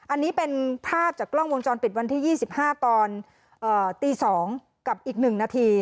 อันนี้เป็นภาพจากกล้องวงจรปิดวันที่๒๕ตอนตี๒กับอีก๑นาที